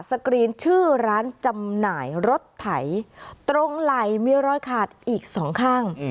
กรีนชื่อร้านจำหน่ายรถไถตรงไหล่มีรอยขาดอีกสองข้าง